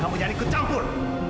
kamu jangan ikut campur